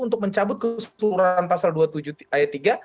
untuk mencabut keseluruhan pasal dua puluh tujuh ayat tiga